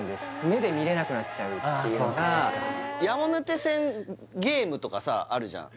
目で見れなくなっちゃうっていうのが山手線ゲームとかさあるじゃん？